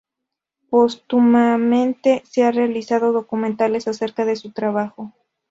Póstumamente se han realizado documentales acerca de su trabajo.